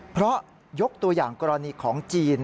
เพราะยกตัวอย่างกรณีของจีน